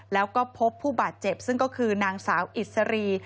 แล้วก็พบผู้บาดเจ็บซึ่งก็คือนางสาวอิสรี